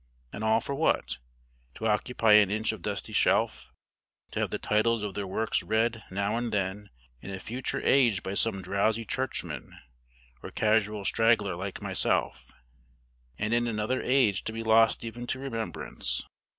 And all for what? To occupy an inch of dusty shelf to have the titles of their works read now and then in a future age by some drowsy churchman or casual straggler like myself, and in another age to be lost even to remembrance.